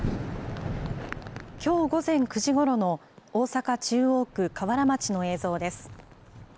きょう午前９時ごろの大阪・中央区かわら町の映像です。